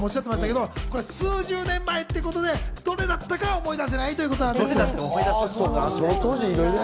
数十年前ということで、どれだったかは思い出せないということです。